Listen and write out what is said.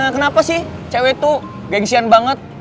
kenapa sih cewek tuh gengsian banget